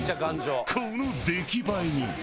この出来栄えに。